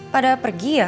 pada pergi ya